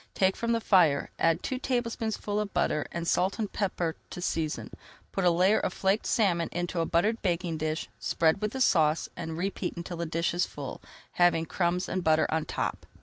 Take from the fire, add two tablespoonfuls of butter, and salt and pepper to season. Put a layer of flaked salmon into a buttered baking dish, spread with the sauce, and repeat until the dish is full, having crumbs and butter on top.